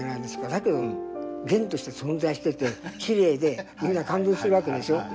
だけどげんとして存在しててきれいでみんな感動する訳でしょ。